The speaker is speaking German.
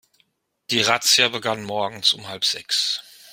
Die Razzia begann morgens um halb sechs.